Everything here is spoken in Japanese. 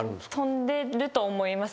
飛んでると思います。